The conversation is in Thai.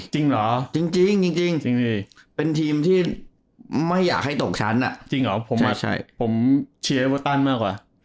จริงหรอจริงจริงเป็นทีมที่ไม่อยากให้ตกชั้นอ่ะจริงหรอผมอะใช่ผมแชร์เอเวอตันมากกว่า